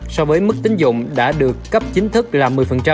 so với mức tính dụng đã được cấp chính thức là một mươi